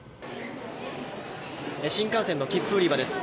新幹線の切符売り場です。